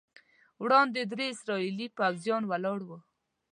وړاندې درې اسرائیلي پوځیان ولاړ وو.